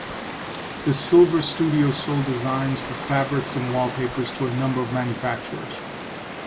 The Silver Studio sold designs for fabrics and wallpapers to a number of manufacturers.